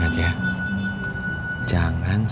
jangan sampai ada